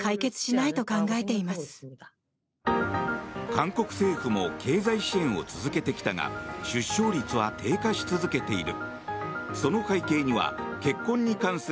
韓国政府も経済支援を続けてきたが出生率は低下し続けている。